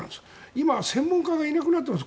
今は専門家がいなくなってます。